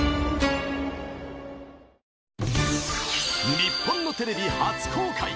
日本のテレビ初公開。